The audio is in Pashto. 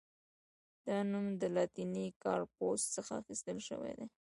دا نوم له لاتیني «کارپوس» څخه اخیستل شوی دی.